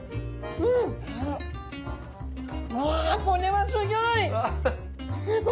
うわこれはすギョい！